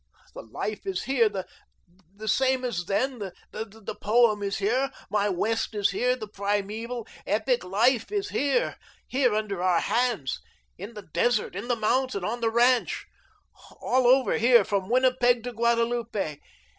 The life is here, the same as then; the Poem is here; my West is here; the primeval, epic life is here, here under our hands, in the desert, in the mountain, on the ranch, all over here, from Winnipeg to Guadalupe.